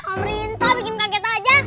pemerintah bikin kaget aja